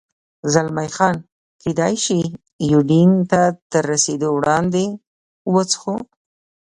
زلمی خان: کېدای شي یوډین ته تر رسېدو وړاندې، وڅښو.